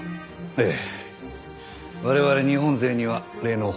ええ。